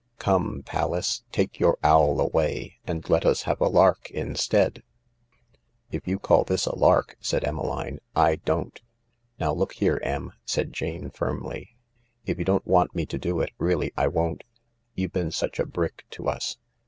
* Come, Pallas, take your owl away, And let us have a lark instead ! 1 "" If you call this a lark," said Emmeline, " I don't." " Now look here, Em," said Jane firmly ;" if you don't want me to do it, really I wonH. You've been such a brick to us.